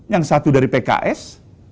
yang satu dari pks